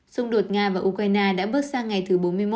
xung đột nga và ukraine đã bước sang ngày thứ bốn mươi một